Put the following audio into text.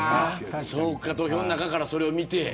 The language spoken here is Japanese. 土俵の中からそれを見て。